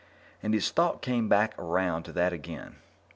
And his thoughts came back around to that again.